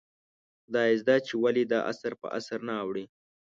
خدایزده چې ولې دا اثر په اثر نه اوړي ؟